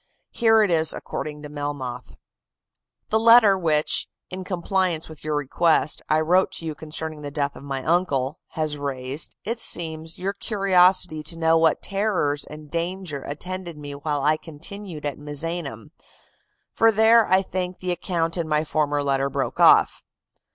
Here it is according to Melmoth: "The letter which, in compliance with your request, I wrote to you concerning the death of my uncle, has raised, it seems, your curiosity to know what terrors and danger attended me while I continued at Misenum: for there, I think, the account in my former letter broke off.